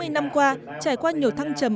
bốn mươi năm qua trải qua nhiều thăng trầm